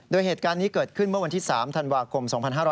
โดยเหตุการณ์นี้เกิดขึ้นเมื่อวันที่๓ธันวาคม๒๕๕๙